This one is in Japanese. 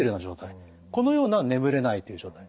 このような眠れないという状態。